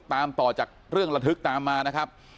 ตามต่อจากเรื่องระทึกตามมานะครับ